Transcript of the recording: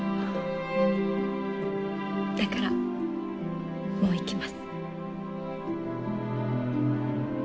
だからもう行きます。